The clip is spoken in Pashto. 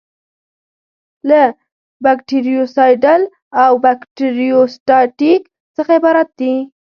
له بکټریوسایډل او بکټریوسټاټیک څخه عبارت دي.